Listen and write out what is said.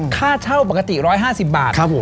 ค่าเช่าปกติ๑๕๐บาท